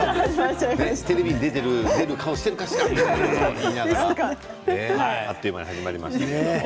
私、テレビに出る顔しているかしらって言いながらあっという間に始まりました。